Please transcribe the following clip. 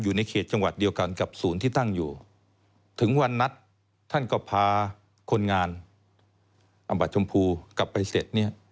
อยู่ในเขตจังหวัดเดียวกันกับศูนย์ที่ตั้งอยู่ถึงวันนัดท่านก็พาคนงานอำบัดชมพูกลับไปเสร็จเนี่ย